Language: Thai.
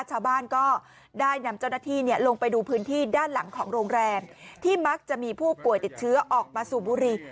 ชาวบ้านก็ได้นำเจ้าหน้าที่ลงไปดูพื้นที่ด้านหลังของโรงแรมที่มักจะมีผู้ป่วยติดเชื้อออกมาสูบบุรี